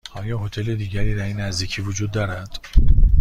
آیا هتل دیگری در این نزدیکی وجود دارد؟